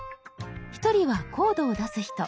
一人はコードを出す人。